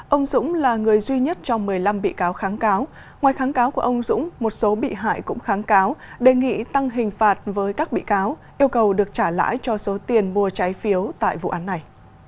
ông dũng là người duy nhất trong một mươi năm bị cáo kháng cáo ngoài kháng cáo của ông dũng một số bị hại cũng kháng cáo đề nghị tăng hình phạt với các bị cáo yêu cầu được trả lãi cho số tiền mua trái phiếu tại vụ án này